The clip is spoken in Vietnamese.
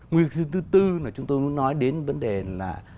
nguy cơ thứ tư là chúng tôi muốn nói đến vấn đề là